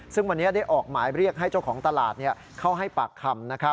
ซึ่งวันนี้ได้ออกหมายเรียกให้เจ้าของตลาดเข้าให้ปากคำ